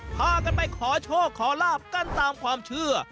พากันไปขอโชคขอลาบกันตามความเชื่อ